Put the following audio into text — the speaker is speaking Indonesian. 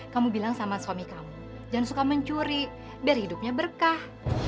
kamu bilang sama suami kamu jangan suka mencuri biar hidupnya berkah